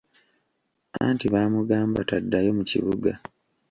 Anti baamugamba taddayo mu kibuga.